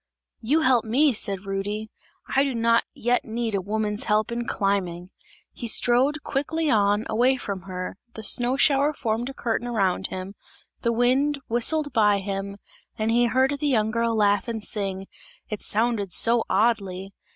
"You help me," said Rudy, "I do not yet need a woman's help in climbing!" He strode quickly on, away from her; the snow shower formed a curtain around him, the wind whistled by him and he heard the young girl laugh and sing; it sounded so oddly!